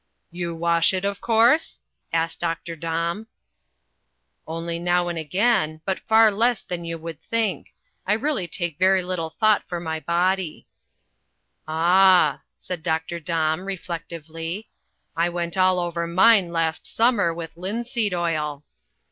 "You wash it, of course?" asked Dr. Domb. "Only now and again, but far less than you would think. I really take very little thought for my body." "Ah," said Dr. Domb reflectively, "I went all over mine last summer with linseed oil."